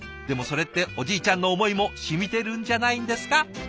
でもそれっておじいちゃんの思いも染みてるんじゃないんですか？